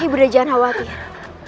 ibu nda jangan khawatir